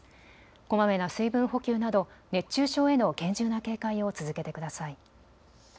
こまめな水分補給など熱中症への厳重な警戒を続けてください。